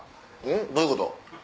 どういうこと？